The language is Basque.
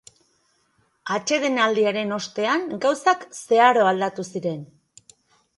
Atsedenaldiaren ostean, gauzak zeharo aldatu ziren.